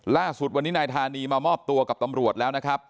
ล่าสุดวันนี้นายธานีมามอบตัวกับตำรวจแล้วนะครับ